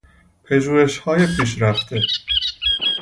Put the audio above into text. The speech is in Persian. پژوهشهای پیشرفته